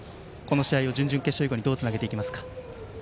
この試合を準々決勝以降にどうつなげていきますか。